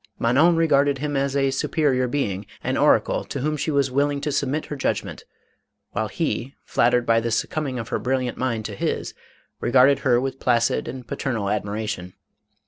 Manon regarded him as a superior being —• an oracle to whom she was willing to submit her judg ment; while he, flattered by the succumbing of her brilliant mind to his, regarded her with placid and pa ternal admiration.